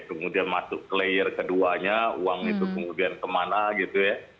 kemudian masuk ke layer keduanya uang itu kemudian kemana gitu ya